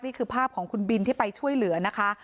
นี่คือภาพของคุณบินที่ไปช่วยเหลือนะคะ